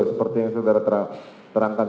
seperti yang saudara terangkan